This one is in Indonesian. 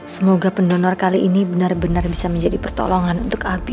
semoga pendonor kali ini benar benar bisa menjadi pertolongan untuk abi